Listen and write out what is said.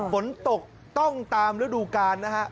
ฝนตกต้องตามฤดูกาลนะฮะ